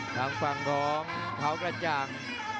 ด้านฝั่งของเฮาะกระจ่าง